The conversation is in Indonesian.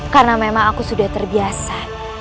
karena memang aku sudah terbiasa